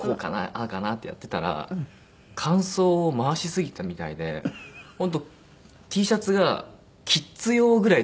ああかな？ってやってたら乾燥を回しすぎたみたいで本当Ｔシャツがキッズ用ぐらいちっちゃくなっちゃったんですよ